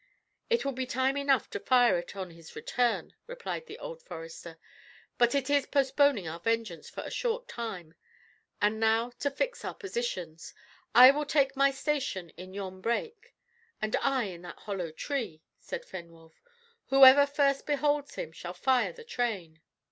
"It will be time enough to fire it on his return," replied the old forester; "it is but postponing our vengeance for a short time. And now to fix our positions. I will take my station in yon brake." "And I in that hollow tree," said Fenwolf. "Whoever first beholds him shall fire the train."